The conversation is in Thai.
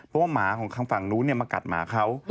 เพราะว่าหมาของทางฝั่งนู้นมากัดหมาเขา